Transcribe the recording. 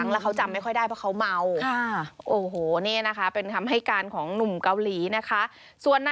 นี่ไม่ใช่ภาพธุรกิจของฉันฉันไม่จำเป็น